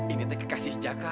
ini tuh kekasih jaka